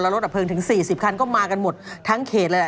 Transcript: รถดับเพลิงถึง๔๐คันก็มากันหมดทั้งเขตเลย